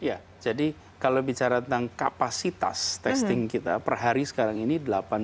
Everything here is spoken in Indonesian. iya jadi kalau bicara tentang kapasitas testing kita per hari sekarang ini delapan belas dua ratus sebelas